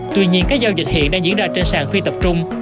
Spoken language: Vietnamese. tuy nhiên các giao dịch hiện đang diễn ra trên sàn phi tập trung